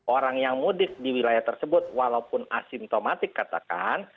orang yang mudik di wilayah tersebut walaupun asimptomatik katakan